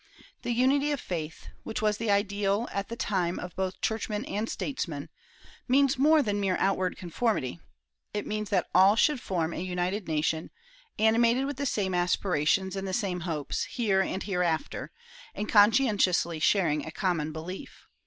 The unity of faith, which was the ideal at the time of both churchman and statesman, means more than mere outward conformity; it means that all should form a united nation, animated with the same aspirations and the same hopes, here and hereafter, and conscientiously sharing a common belief.